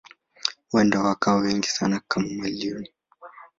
Huenda wakawa wengi sana kama milioni.